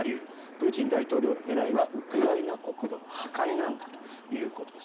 プーチン大統領の狙いはウクライナ国土の破壊なんだということです。